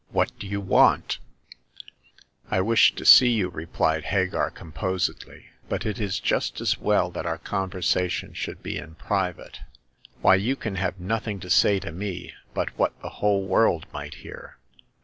" What do you want ?*''' I wish to see you," repHed Hagar, composedly, but it is just as well that our conversation should be in private." " Why, you can have nothing to say to me but w^hat the whole world might hear